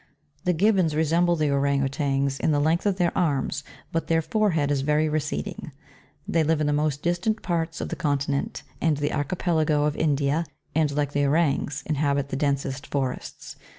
13. The GIBBONS resemble the Ourang Outangs in the length of their arms, but their forehead is very receding. They live in the most distant parts of the continent, and archipelago of India, and like the Ourangs inhabit the densest forests.